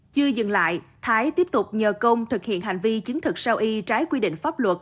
chưa dừng lại thái tiếp tục nhờ công thực hiện hành vi chứng thực sao y trái quy định pháp luật